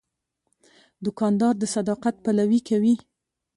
دوکاندار د صداقت پلوي کوي.